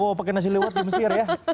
oh pakai nasi liwet di mesir ya